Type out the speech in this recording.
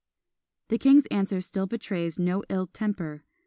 The king's answer still betrays no ill temper.